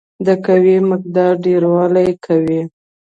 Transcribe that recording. د قوې مقدار ډیروالی کوي.